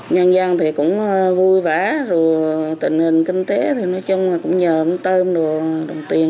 nhân dân thì cũng vui vã rồi tình hình kinh tế thì nói chung là cũng nhờ một tơm đồ đồng tiền